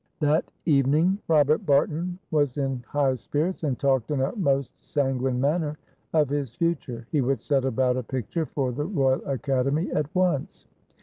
That evening Robert Barton was in high spirits, and talked in a most sanguine manner of his future. He would set about a picture for the Royal Academy at once.